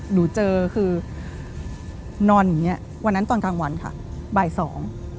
หนูเจอคือนอนอย่างเงี้ยวันนั้นตอนกลางวันค่ะบ่ายสอง